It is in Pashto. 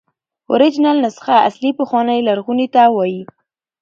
اوریجنل نسخه اصلي، پخوانۍ، لرغوني ته وایي.